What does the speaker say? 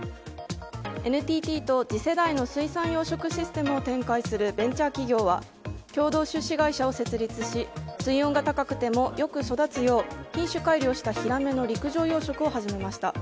ＮＴＴと、次世代の水産養殖システムを展開するベンチャー企業は共同出資会社を設立し水温が高くてもよく育つよう品種改良したヒラメの陸上養殖を始めました。